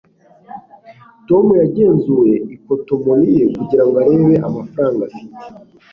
tom yagenzuye ikotomoni ye kugira ngo arebe amafaranga afite